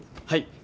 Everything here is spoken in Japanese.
はい。